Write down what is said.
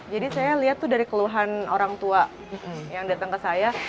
jadi saya lihat tuh dari keluhan orang tua yang datang ke saya